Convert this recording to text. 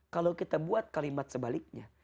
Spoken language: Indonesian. kalau kita buat kalimat sebaliknya